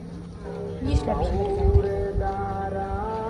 —Нишләп һимергәндәр?